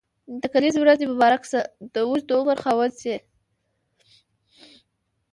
د کلیزي ورځ دي مبارک شه د اوږد عمر خاوند سي.